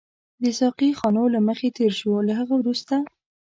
د ساقي خانو له مخې تېر شوو، له هغه وروسته.